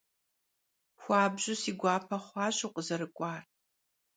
Xuabju si guape xhuaş vukhızerık'uar.